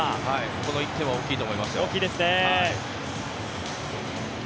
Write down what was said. この１点は大きいと思いますよ。